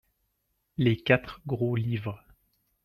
Les quatre gros livres.